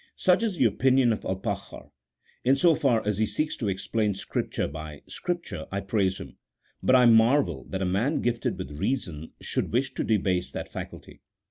Such is the opinion of Alpakhar. In so far as he seeks to explain Scripture by Scripture, I praise him, but I marvel that a man gifted with reason should wish to debase that faculty.